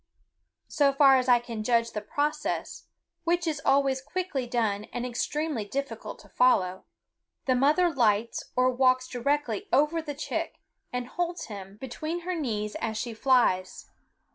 So far as I can judge the process, which is always quickly done and extremely difficult to follow, the mother lights or walks directly over the chick and holds him between her knees as she flies.